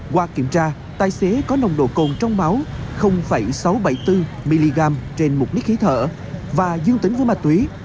qua kiểm tra tài xế có nồng độ cồn trong máu sáu trăm bảy mươi bốn mg trên một lít khí thở và dương tính với ma túy